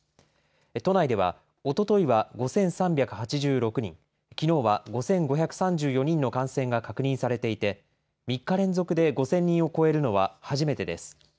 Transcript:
都内では、おとといは５３８６人、きのうは５５３４人の感染が確認されていて、３日連続で５０００人を超えるのは初めてです。